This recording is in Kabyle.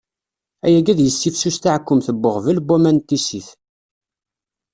Ayagi ad yessifsus taɛkkemt n uɣbel n waman n tissit.